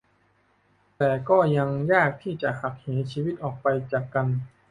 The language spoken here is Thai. แต่ก็ยังยากที่จะหักเหชีวิตออกไปจากกัน